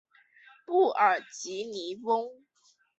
布尔吉尼翁。